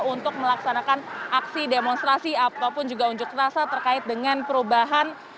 untuk melaksanakan aksi demonstrasi ataupun juga unjuk rasa terkait dengan perubahan